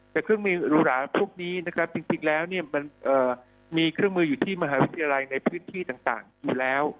แต่เครื่องมือหรูหราพวกนี้นะครับจริงแล้วเนี่ยมันมีเครื่องมืออยู่ที่มหาวิทยาลัยในพื้นที่ต่างอยู่แล้ว